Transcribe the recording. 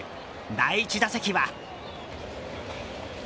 第１打席は。